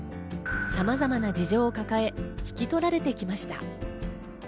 さまざまな事情を抱え、引き取られてきました。